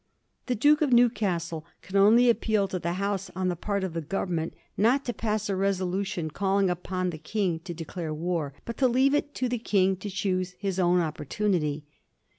The Duke of Newcastle could only appeal to the House on the part of the Government not to pass a resolution calling upon the King to declare war, but to leave it to the King to choose his own opportunity.